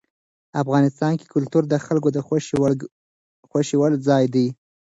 افغانستان کې کلتور د خلکو د خوښې وړ ځای دی.